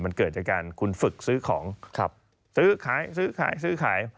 มันเกิดจากการคุณฝึกซื้อของซื้อขายซื้อขายซื้อขาย